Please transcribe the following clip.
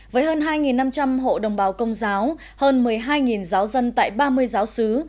với hơn hai năm trăm linh hộ đồng bào công giáo hơn một mươi hai giáo dân tại ba mươi giáo sứ